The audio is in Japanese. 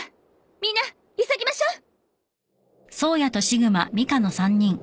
みんな急ぎましょう！